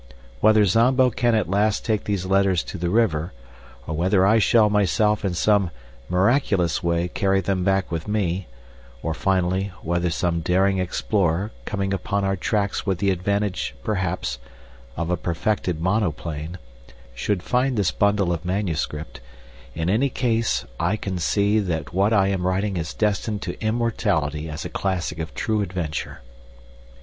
Whether Zambo can at last take these letters to the river, or whether I shall myself in some miraculous way carry them back with me, or, finally, whether some daring explorer, coming upon our tracks with the advantage, perhaps, of a perfected monoplane, should find this bundle of manuscript, in any case I can see that what I am writing is destined to immortality as a classic of true adventure.